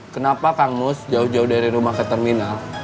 kenapa kang mus jauh jauh dari rumah ke terminal